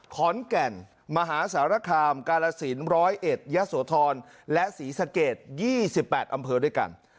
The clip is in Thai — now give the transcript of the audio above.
ขอนแก่นมหาสารคามกาลสิน๑๐๑ยะโสธรและศรีสะเกด๒๘อำเภอด้วยกัน